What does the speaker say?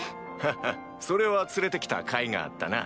ハハッそれは連れてきたかいがあったな。